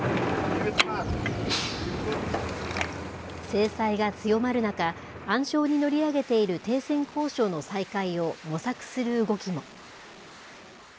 制裁が強まる中、暗礁に乗り上げている停戦交渉の再開を模索する動きも。